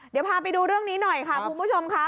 เดี๋ยวพาไปดูเรื่องนี้หน่อยค่ะคุณผู้ชมค่ะ